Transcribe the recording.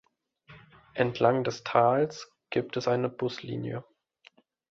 Entlang des Tals gibt es eine Buslinie.